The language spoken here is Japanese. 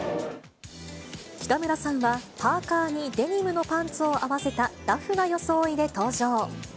北村さんは、パーカーにデニムのパンツを合わせた、ラフな装いで登場。